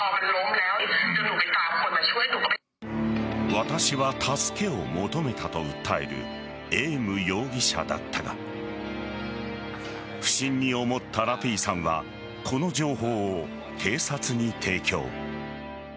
私は助けを求めたと訴えるエーム容疑者だったが不審に思ったラピーさんはこの情報を警察に提供。